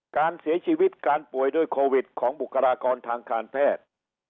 การเสียชีวิตการป่วยด้วยโควิดของบุคลากรทางการแพทย์